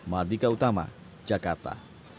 mardika utama jakarta